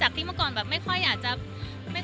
ว่าที่เราไม่ต้องขอให้เค้าจะทำ